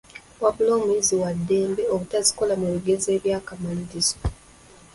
Wabula omuyizi waddembe obutazikola mu bigezo eby’akamalirizo.